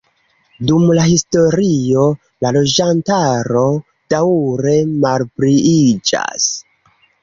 Dum la historio la loĝantaro daŭre malpliiĝas.